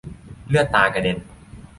เลือดตากระเด็น